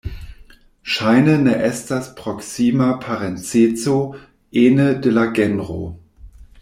Ŝajne ne estas proksima parenceco ene de la genro.